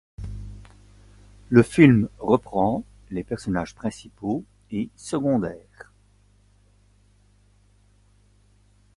Le film reprend les personnages principaux et secondaires.